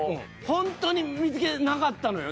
ほんとに見つけなかったのよ